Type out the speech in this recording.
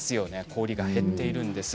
氷が減っているんです。